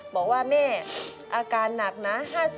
บอกว่าแม่อาการหนักนะ